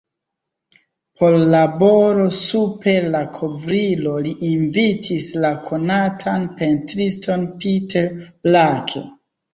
Por laboro super la kovrilo li invitis la konatan pentriston Peter Blake.